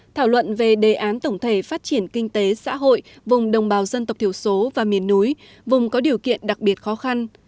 thảo luận về đề án tổng thể phát triển kinh tế xã hội vùng đồng bào dân tộc thiểu số và miền núi vùng có điều kiện đặc biệt khó khăn